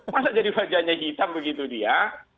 masa jadi wajahnya hitam begitu dia